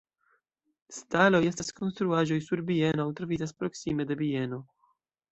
Staloj estas konstruaĵoj sur bieno aŭ troviĝas proksime de bieno.